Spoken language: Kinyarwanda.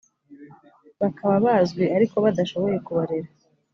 bakaba bazwi ariko badashoboye kubarera